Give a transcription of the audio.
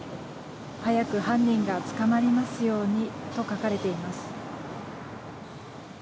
早く犯人が捕まりますようにと書かれています。